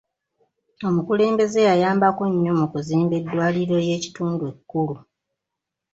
Omukulembeze yayambako nnyo mu kuzimba eddwaliro ly'ekitundu ekkulu.